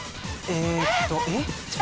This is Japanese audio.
えーっとえっ？